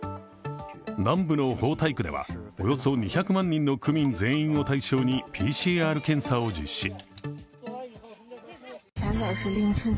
南部の豊台区ではおよそ２００万人の区民全員を対象にＰＣＲ検査を実施。